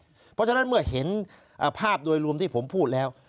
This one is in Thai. เพราะฉะนั้นเมื่อเห็นภาพโดยรวมที่ผมพูดแล้ว